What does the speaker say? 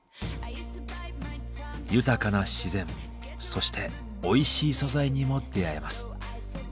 豊かな自然そしておいしい素材にも出会えます。